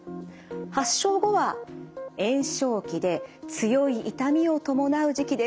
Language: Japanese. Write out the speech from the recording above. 発症後は炎症期で強い痛みを伴う時期です。